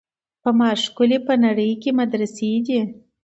په ما ښکلي په نړۍ کي مدرسې دي